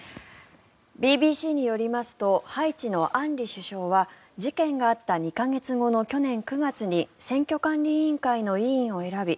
ＢＢＣによりますとハイチのアンリ首相は事件があった２か月後の去年９月に選挙管理委員会の委員を選び